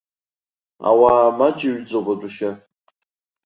Ауаа маҷҩӡоуп адәахьы.